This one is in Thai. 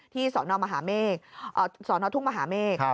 ที่สอนอทุ่งมหาเมฆ